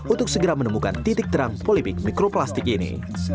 untuk segera menemukan titik terang politik mikroplastik ini